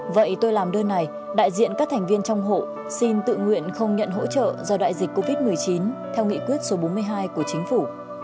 vậy tôi làm đơn này đại diện các thành viên trong hộ xin tự nguyện không nhận hỗ trợ do đại dịch covid một mươi chín theo nghị quyết số bốn mươi hai của chính phủ